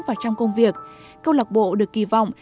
và trong công việc câu lạc bộ được kỳ vọng